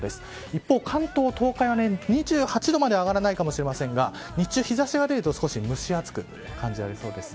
一方、関東、東海は２８度までは上がらないかもしれませんが日中、日差しが出ると少し蒸し暑く感じられそうです。